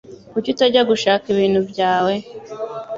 Kuki utajya gushaka ibintu byawe?